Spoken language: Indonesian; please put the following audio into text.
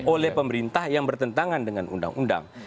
oleh pemerintah yang bertentangan dengan undang undang